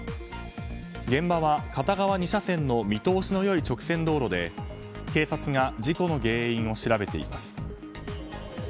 現場は片側２車線の見通しの良い直線道路で警察が事故の原因を調べています。